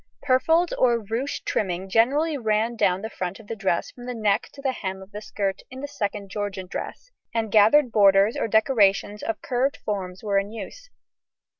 Purfled or ruched trimming generally ran down the front of the dress from the neck to the hem of the skirt in the Second Georgian dress, and gathered borders or decorations of curved forms were in use.